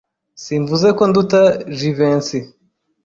Simvuze ko nduta Jivency.